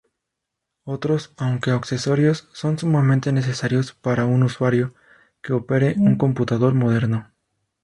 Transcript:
Otros, aunque accesorios, son sumamente necesarios para un usuario que opere un computador moderno.